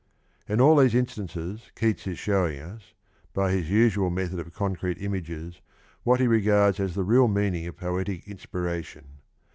In all these instances Keats is showing us, by his usual method of concrete imasfes, what he regfards as the insi.imtion S o mi I the yoot. real meaning of poetic inspiration.